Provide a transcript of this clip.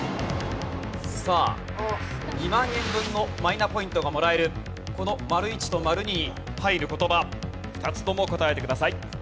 さあ２万円分のマイナポイントがもらえるこの丸１と丸２に入る言葉２つとも答えてください。